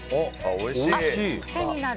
癖になる。